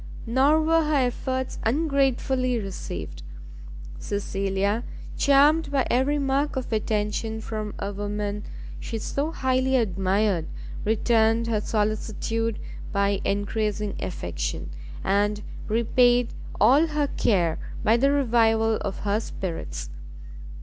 Nor were her efforts ungratefully received; Cecilia, charmed by every mark of attention from a woman she so highly admired, returned her solicitude by encreasing affection, and repaid all her care by the revival of her spirits.